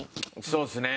そうっすね。